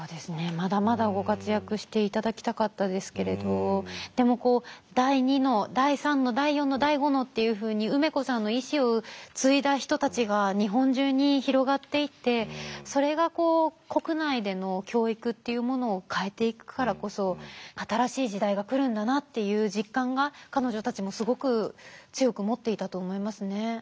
まだまだご活躍していただきたかったですけれどでもこう第２の第３の第４の第５のっていうふうに梅子さんの意志を継いだ人たちが日本中に広がっていってそれが国内での教育っていうものを変えていくからこそ新しい時代が来るんだなっていう実感が彼女たちもすごく強く持っていたと思いますね。